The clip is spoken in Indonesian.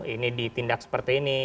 ini ditindak seperti ini